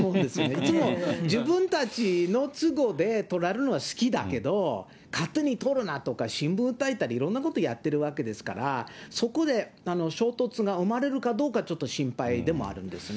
いつも自分たちの都合で、撮られるのは好きだけど、勝手に撮るなとか、とかいろんなことやってるわけですから、そこで衝突が生まれるかどうか、ちょっと心配でもあるんですね。